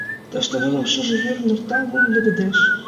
Тыште нуным шыже йӱр нӧрта, лум леведеш.